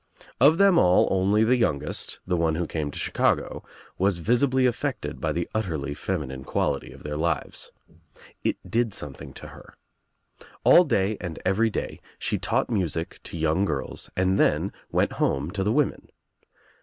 Of them all only the youngest, the one who came to Chicago, was visibly affected by the utterly feminine quality of their lives. It did something to her. All day and every day she taught music to young girls and then went home to the women.